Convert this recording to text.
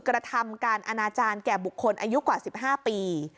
กระทำการอนาจารย์แก่บุคคลอายุกว่า๑๕ปี